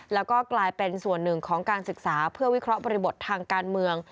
แล้วก็กลายเป็นส่วนหนึ่งของการศึกษาเพื่อวิเคราะห์บริบททางการเมือง